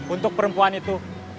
untuk perempuan itu